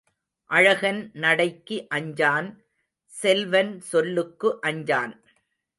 அழகன் நடைக்கு அஞ்சான் செல்வன் சொல்லுக்கு அஞ்சான்.